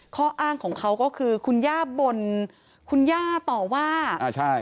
ข้ออ้างของเขาก็คือคุณย่าบ่นคุณย่าต่อว่าอ่าใช่